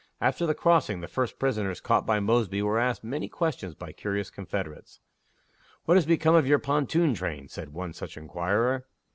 After the crossing, the first prisoners caught by Mosby were asked many questions by curious Confederates. "What has become of your pontoon train?" said one such inquirer.